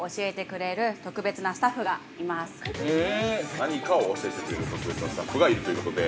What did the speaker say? ◆何かを教えてくれる特別なスタッフがいるということで。